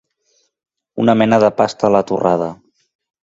Una mena de pasta a la torrada.